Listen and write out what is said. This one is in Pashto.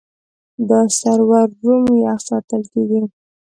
دا سرور روم یخ ساتل کېږي.